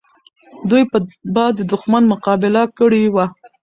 دوی به د دښمن مقابله کړې وه.